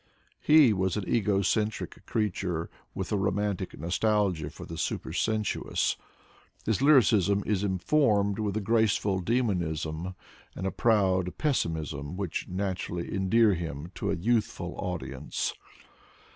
He was an ego centric creature, with a romantic nostalgia for the supersensuous. His lyricism is informed with a grace Introduction xiii ful demonism and a proud pessimism which naturally endear him to a youthful audience.